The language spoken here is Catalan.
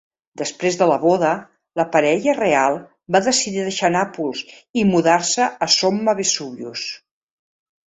Després de la boda, la parella real va decidir deixar Nàpols i mudar-se a Somma-Vesuvius.